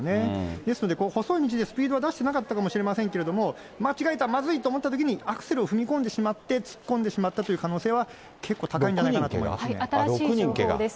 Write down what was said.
ですので細い道でスピードは出してなかったかもしれませんけれども、間違えた、まずいと思ったときに、アクセルを踏み込んでしまって、突っ込んでしまったという可能性は結構高いんじゃないかな新しい情報です。